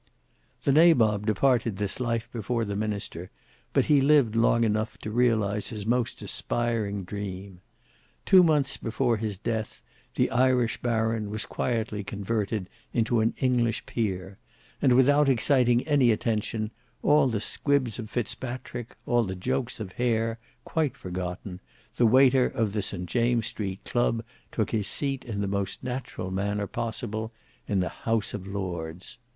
The Nabob departed this life before the Minister, but he lived long enough to realize his most aspiring dream. Two years before his death the Irish baron was quietly converted into an English peer; and without exciting any attention, all the squibs of Fitzpatrick, all the jokes of Hare, quite forgotten, the waiter of the St James's Street club took his seat in the most natural manner possible in the House of Lords.